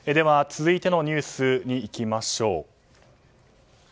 続いてのニュースにいきましょう。